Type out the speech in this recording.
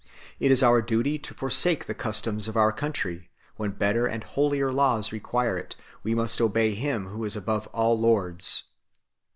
It is our duty to forsake the customs of our country, when better and holier laws require it ; we must obey Him who is above all lords 3